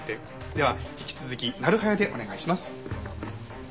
では引き続きなる早でお願いします。